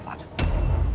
kalau begitu deal